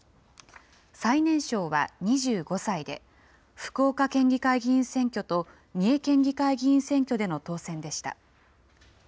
最年少は２５歳で、福岡県議会議員選挙と三重県議会議員選挙での当選でした。